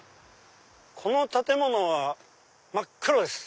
この建物は真っ黒です。